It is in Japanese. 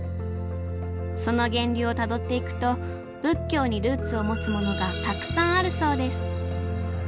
その源流をたどっていくと仏教にルーツを持つものがたくさんあるそうです。